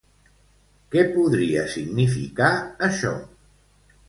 Què podria significar això?